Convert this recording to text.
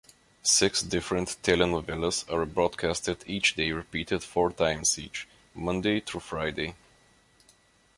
Six different "telenovelas" are broadcast each day, repeated four times each, Monday through Friday.